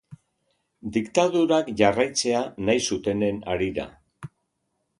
Diktadurak jarraitzea nahi zutenen harira.